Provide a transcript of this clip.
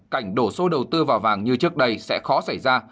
cảnh đổ xô đầu tư vào vàng như trước đây sẽ khó xảy ra